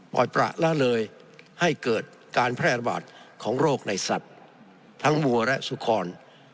ประละเลยให้เกิดการแพร่ระบาดของโรคในสัตว์ทั้งวัวและสุคร